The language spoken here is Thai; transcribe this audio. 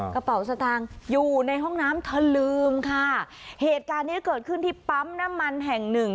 กระเป๋าสตางค์อยู่ในห้องน้ำเธอลืมค่ะเหตุการณ์เนี้ยเกิดขึ้นที่ปั๊มน้ำมันแห่งหนึ่ง